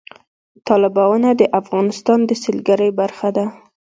تالابونه د افغانستان د سیلګرۍ برخه ده.